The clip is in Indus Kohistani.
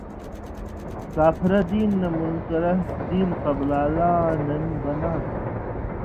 کاپھرہ (دین نہ مُنکُرہ) دین قبلان٘لاں دن بناں تھہ